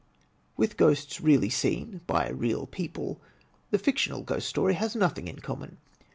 With ghosts really seen by real people, the fictional Ghost Story has nothing in common.